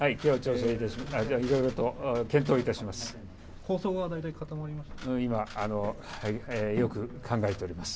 いろいろと検討いたします。